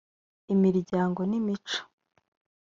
imiryango n’imico